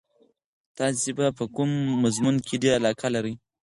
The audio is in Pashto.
تاسې په کوم مضمون کې ډېره علاقه لرئ؟